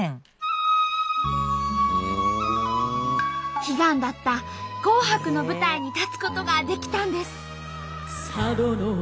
悲願だった「紅白」の舞台に立つことができたんです。